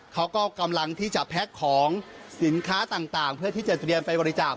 เขาก็กำลังที่จะแพ็คของสินค้าต่างเพื่อที่จะเตรียมไปบริจาค